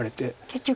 結局。